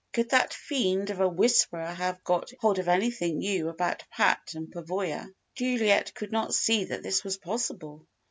Could that fiend of a "Whisperer" have got hold of anything new about Pat and Pavoya? Juliet could not see that this was possible.